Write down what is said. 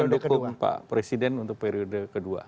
mendukung pak presiden untuk periode kedua